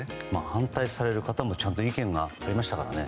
反対される方もちゃんと意見が出ましたからね。